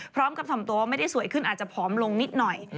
พร้อมกับทำตัวว่าไม่ได้สวยขึ้นอาจจะผอมลงนิดหน่อย